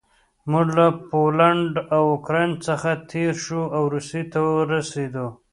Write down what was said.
موږ له پولنډ او اوکراین څخه تېر شوو او روسیې ته ورسېدو